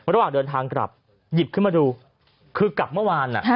ระหว่างเดินทางกลับหยิบขึ้นมาดูคือกลับเมื่อวาน